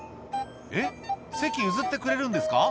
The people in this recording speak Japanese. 「えっ席譲ってくれるんですか？」